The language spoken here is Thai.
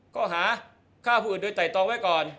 ข้อหาฆ่าผู้อื่นโดยไตรตองไว้ก่อน